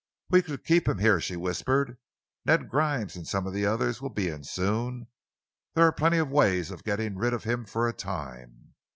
"We could keep him here," she whispered. "Ned Grimes and some of the others will be in soon. There are plenty of ways of getting rid of him for a time."